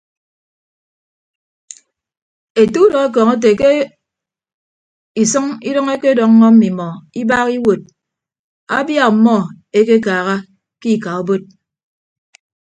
Ete udọekọñ ete ke isʌñ idʌñ ekedọññọ mmimọ ibaaha iwuod abia ọmmọ ekekaaha ke ika obod.